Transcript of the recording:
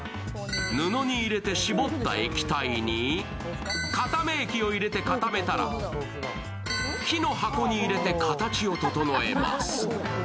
布に入れて絞った液体に固め液を入れて固めたら木の箱に入れて形を整えます。